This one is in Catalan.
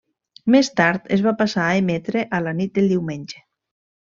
Més tard es va passar a emetre a la nit del diumenge.